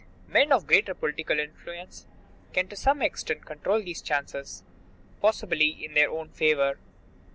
Men of greater political influence can to some extent control these chances, possibly in their own favor.